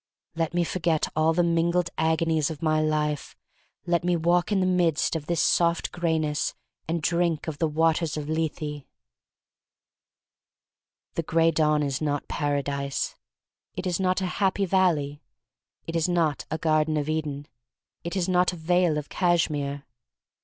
Let me forget all the mingled agonies of my life. Let me walk in the' midst of this soft grayness and drink of the waters of Lethe. The Gray Dawn is not Paradise; it is not a Happy Valley; it is not a Garden of Eden; it is not a Vale of Cashmere.